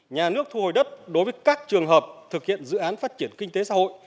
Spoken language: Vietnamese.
nhà nước thu hồi đất đối với các trường hợp thực hiện dự án phát triển kinh tế xã hội